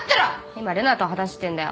今玲奈と話してんだよ。